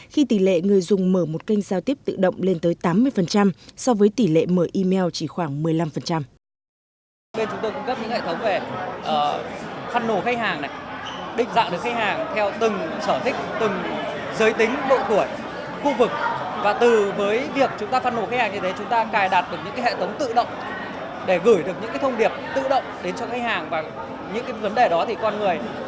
khi tỷ lệ người dùng mở một kênh giao tiếp tự động lên tới tám mươi so với tỷ lệ mở email chỉ khoảng một mươi năm